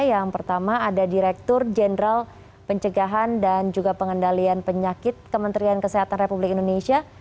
yang pertama ada direktur jenderal pencegahan dan juga pengendalian penyakit kementerian kesehatan republik indonesia